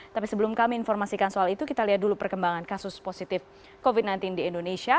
tapi sebelum kami informasikan soal itu kita lihat dulu perkembangan kasus positif covid sembilan belas di indonesia